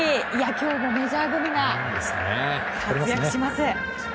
今日もメジャー組が活躍します！